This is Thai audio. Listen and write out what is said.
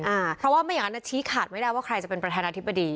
อ่าเพราะว่าไม่อย่างนั้นน่ะชี้ขาดไม่ได้ว่าใครจะเป็นประธานาธิบดี